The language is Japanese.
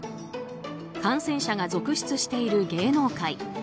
感染者が続出している芸能界。